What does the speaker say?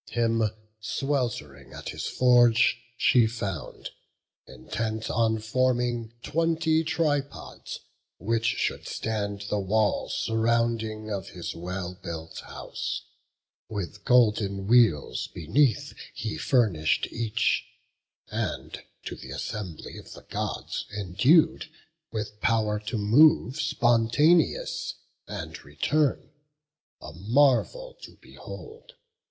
Him swelt'ring at his forge she found, intent On forming twenty tripods, which should stand The wall surrounding of his well built house; With golden wheels beneath he furnish'd each, And to th' assembly of the Gods endued With pow'r to move spontaneous, and return, A marvel to behold!